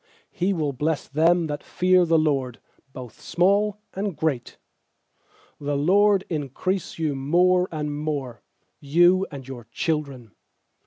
13He will bless them that fear the LORD, Both small and great. I4The LORD increase you more and more, You and your children.